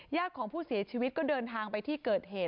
ของผู้เสียชีวิตก็เดินทางไปที่เกิดเหตุ